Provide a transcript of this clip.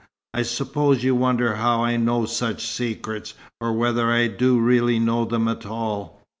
I suppose you wonder how I know such secrets, or whether I do really know them at all.